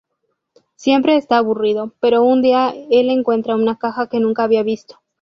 Siempre está aburrido, pero un día el encuentra una caja que nunca había visto.